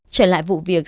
trở lại vụ việc